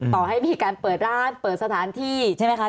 ต่อให้มีการเปิดร้านเปิดสถานที่ใช่ไหมคะ